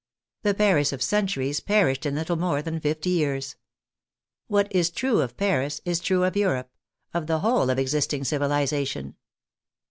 The Paris of centuries perished in little more than fifty years. What is true of Paris is true of Europe — of the whole of existing civilization.